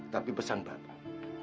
tapi pesan bapak